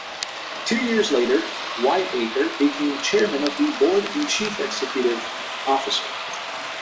Two years later, Whitacre became chairman of the board and chief executive officer.